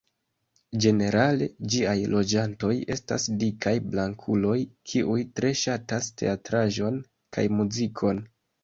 Ĝenerale, ĝiaj loĝantoj estas dikaj blankuloj kiuj tre ŝatas teatraĵon kaj muzikon.